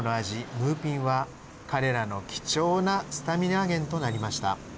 ムーピンは彼らの貴重なスタミナ源となりました。